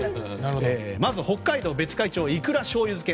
まず、北海道別海町のいくら醤油漬け。